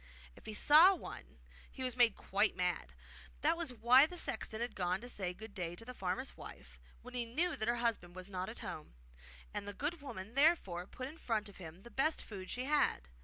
If he saw one he was made quite mad. That was why the sexton had gone to say good day to the farmer's wife when he knew that her husband was not at home, and the good woman therefore put in front of him the best food she had.